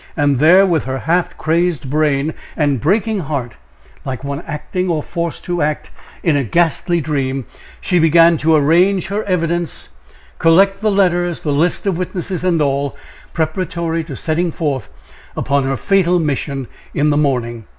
And there, with her half crazed brain and breaking heart like one acting or forced to act in a ghastly dream, she began to arrange her evidence collect the letters, the list of witnesses and all, preparatory to setting forth upon her fatal mission in the morning.